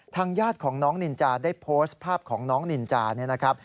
ทางญาติของน้องนินจาได้โพสต์ภาพของน้องนินจา